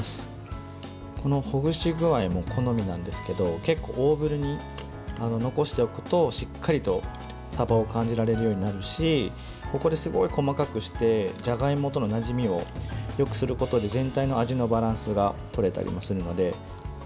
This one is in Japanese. このほぐし具合も好みなんですけど結構、大ぶりに残しておくとしっかりとさばを感じられるようになるしここで、すごい細かくしてじゃがいもとのなじみをよくすることで全体の味のバランスがとれたりもするので。